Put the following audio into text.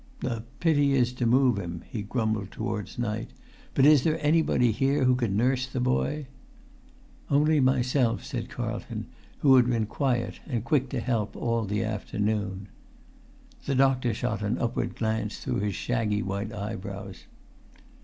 "The pity is to move him," he grumbled towards night. "But is there anybody here who could nurse the boy?" "Only myself," said Carlton, who had been quiet and quick to help all the afternoon. The doctor shot an upward glance through his shaggy white eyebrows.